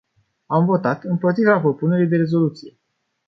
Am votat împotriva propunerii de rezoluție.